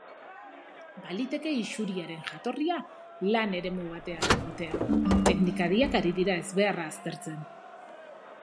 Baliteke isuriaren jatorria lan eremu batean egotea, teknikariak ari dira ezbeharra aztertzen.